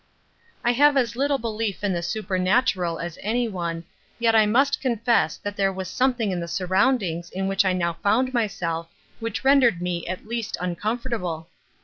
I have as little belief in the supernatural as anyone, yet I must confess that there was something in the surroundings in which I now found myself which rendered me at least uncomfortable.